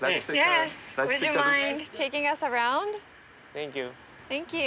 サンキュー。